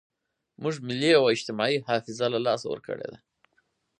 موږ ملي او اجتماعي حافظه له لاسه ورکړې ده.